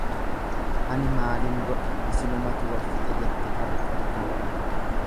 Ani maalin godhe isinumatu wal fixe jette qarri qotto.